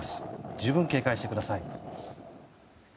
十分警戒してください。